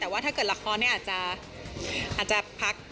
แต่ว่าถ้าเกิดละครนี้อาจจะอาจจะพัก